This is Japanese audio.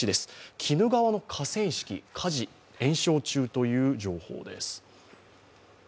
鬼怒川の河川敷、火事延焼中という情報です。